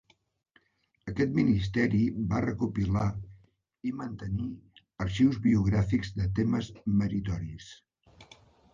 Aquest ministeri va recopilar i mantenir arxius biogràfics de temes meritoris.